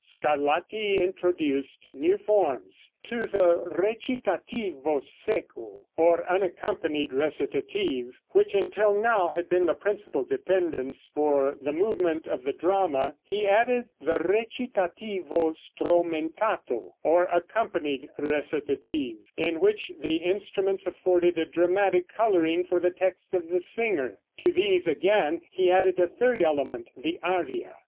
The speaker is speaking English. Scarlatti introduced new forms. To the recitativo secco, or unaccompanied recitative, which until now had been the principal dependence for the movement of the drama, he added the recitativo stromentato, or accompanied recitative, in which the instruments afforded a dramatic coloring for the text of the singer. To these, again, he added a third element, the aria.